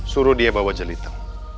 suruh dia bawa jeliteng